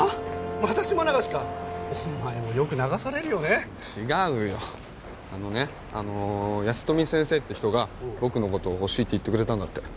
また島流しかお前もよく流されるよね違うよあの安富先生って人が僕のことを欲しいって言ってくれたんだって